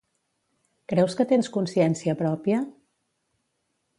Creus que tens consciència pròpia?